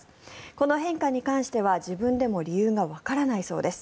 この変化に関しては自分でも理由がわからないそうです。